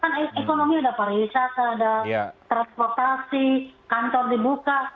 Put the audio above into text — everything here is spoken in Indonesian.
kan ekonomi ada pariwisata ada transportasi kantor dibuka